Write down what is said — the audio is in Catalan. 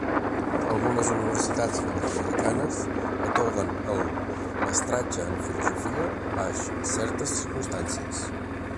Algunes universitats nord-americanes atorguen el Mestratge en Filosofia baix certes circumstàncies.